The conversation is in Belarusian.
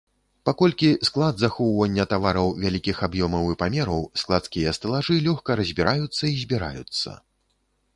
Паколькі склад захоўвання тавараў вялікіх аб'ёмаў і памераў, складскія стэлажы лёгка разбіраюцца і збіраюцца.